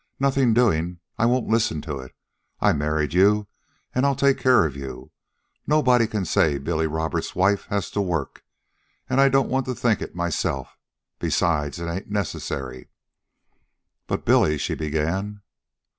"Nothing doing. I won't listen to it. I married you, and I'll take care of you. Nobody can say Bill Roberts' wife has to work. And I don't want to think it myself. Besides, it ain't necessary." "But Billy " she began again.